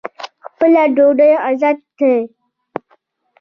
خپله ډوډۍ عزت دی.